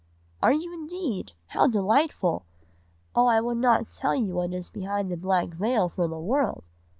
"'Are you indeed? How delightful! Oh, I would not tell you what is behind the black veil for the world!